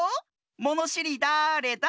「ものしりだれだ？」